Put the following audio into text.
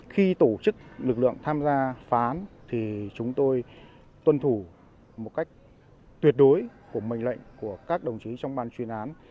khi tổ chức lực lượng tham gia phá án thì chúng tôi tuân thủ một cách tuyệt đối của mệnh lệnh của các đồng chí trong ban chuyên án